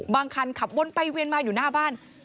คันขับวนไปเวียนมาอยู่หน้าบ้าน